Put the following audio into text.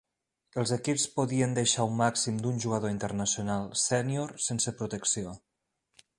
Els equips podien deixar un màxim d'un jugador internacional sènior sense protecció.